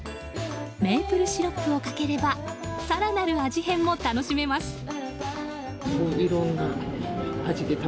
メープルシロップをかければ更なる味変も楽しめます。